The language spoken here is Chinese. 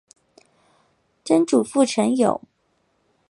曾祖父陈友。